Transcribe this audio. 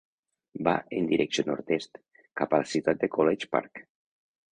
Va en direcció nord-oest, cap a la ciutat de College Park.